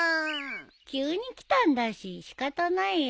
急に来たんだし仕方ないよ。